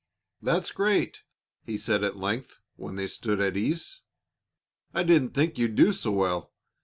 "That's great!" he said when at length they stood at ease. "I didn't think you'd do so well.